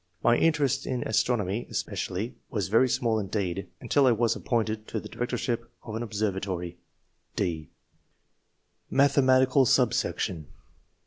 My interest in astronomy, es pecially, was very small indeed, until I was appointed [to the directorship of an obser vatory]." (d) Mathematical Subsection.